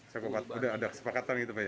sudah ada kesepakatan gitu pak